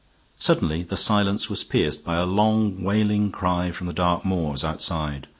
Suddenly the silence was pierced by a long, wailing cry from the dark moors outside.